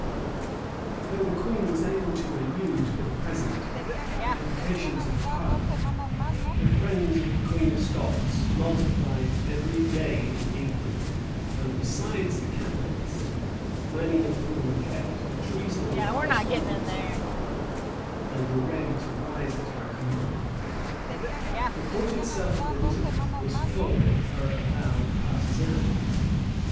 But though the queen was able to elude, for the present, the applications of parliament, the friends of the queen of Scots multiplied every day in England; and besides the Catholics, many of whom kept a treasonable correspondence with her, and were ready to rise at her command,[*] the court itself of Elizabeth was full of her avowed partisans.